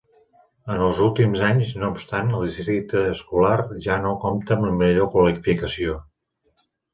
En els últims anys, no obstant, el districte escolar ja no compta amb la millor qualificació.